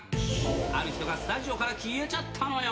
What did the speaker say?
ある人がスタジオから消えちゃったのよ。